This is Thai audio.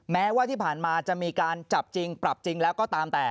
แม้ว่าที่ผ่านมาจะมีการจับจริงปรับจริงแล้วก็ตามแต่